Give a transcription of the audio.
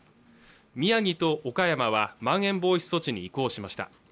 宮城と岡山はまん延防止措置に移行しました